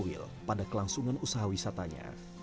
pemilu powil pada kelangsungan usaha wisatanya